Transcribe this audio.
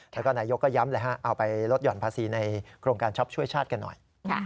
แล้วก็นายกก็ย้ำเลยฮะเอาไปลดห่อนภาษีในโครงการช็อปช่วยชาติกันหน่อย